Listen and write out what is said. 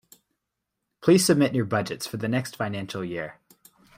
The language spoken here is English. Please submit your budgets for the next financial year